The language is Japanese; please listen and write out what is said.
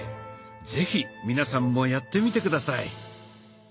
是非皆さんもやってみて下さい。